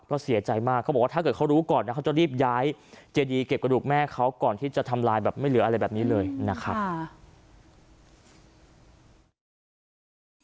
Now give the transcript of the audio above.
ก็เสียใจมากเขาบอกว่าถ้าเกิดเขารู้ก่อนนะเขาจะรีบย้ายเจดีเก็บกระดูกแม่เขาก่อนที่จะทำลายแบบไม่เหลืออะไรแบบนี้เลยนะครับ